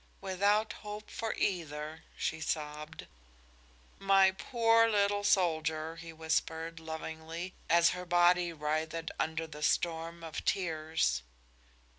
"Without hope for either," she sobbed. "My poor little soldier," he whispered, lovingly, as her body writhed under the storm of tears.